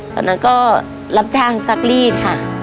ตอนนั้นก็รับจ้างซักรีดค่ะ